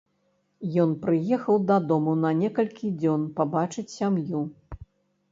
Ён прыехаў дадому на некалькі дзён пабачыць сям'ю.